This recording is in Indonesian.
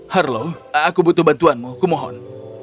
harlow aku butuh bantuanmu mohon